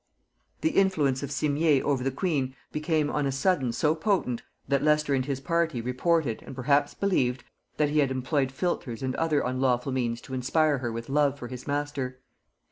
] The influence of Simier over the queen became on a sudden so potent, that Leicester and his party reported, and perhaps believed, that he had employed philters and other unlawful means to inspire her with love for his master.